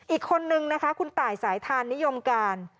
อีกคนนึงนะคะคุณตายสายทานนิยมการ